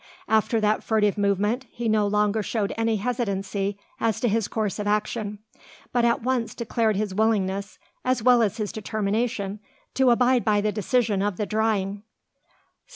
After that furtive movement, he no longer showed any hesitancy as to his course of action; but at once declared his willingness, as well as his determination, to abide by the decision of the drawing.